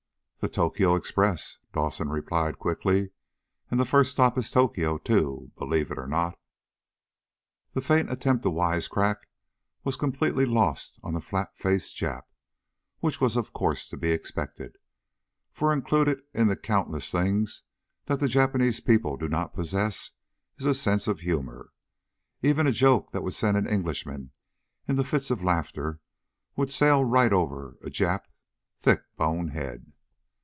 "The Tokyo Express," Dawson replied quickly. "And the first stop is Tokyo, too, believe it or not." The faint attempt to wisecrack was completely lost on the flat faced Jap. Which was of course to be expected, for included in the countless things that the Japanese people do not possess is a sense of humor. Even a joke that would send an Englishman into fits of laughter would sail right over a Jap's thick boned head.